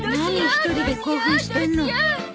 何１人で興奮してんの？